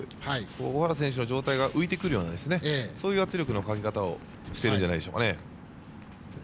尾原選手の上体が浮いてくるようなそういう圧力のかけ方をしているんじゃないでしょうか。